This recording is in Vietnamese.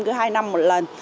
cứ hai năm một lần